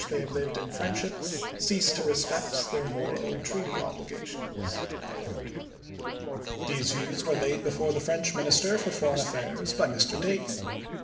26, they have lived in friendship cease to respect their i863. moral and treaty obligations." These views were laid before the French Minis ter for Foreign Affairs by Mr. Dayton.